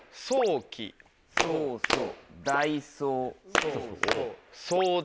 そうそう。